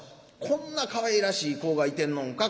こんなかわいらしい子がいてんのんか。